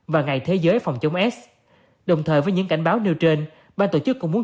và ngày thế giới phòng chống s đồng thời với những cảnh báo nêu trên ban tổ chức cũng muốn